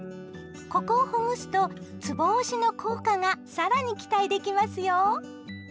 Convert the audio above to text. ここをほぐすとつぼ押しの効果が更に期待できますよ！